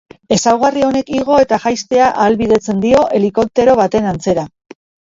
Ezaugarri honek igo eta jaistea ahalbidetzen dio, helikoptero baten antzera.